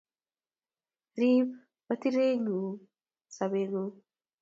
riib matinyeren sobeng'ung